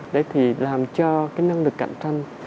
đấy thì làm cho cái năng lực cạnh tranh